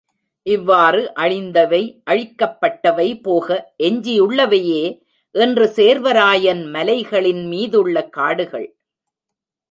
இவ்வாறு அழிந்தவை, அழிக்கப்பட்டவை போக எஞ்சியுள்ளவையே இன்று சேர்வராயன் மலைகளின் மீதுள்ள காடுகள்.